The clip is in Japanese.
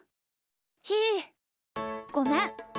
ひーごめん。